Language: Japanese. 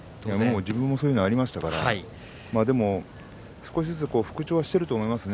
自分もそういうのがありましたからでも少しずつ復調していると思いますよ。